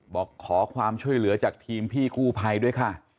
บอกขอความช่วยเหลือจากทีมพี่กู้ภัยด้วยค่ะ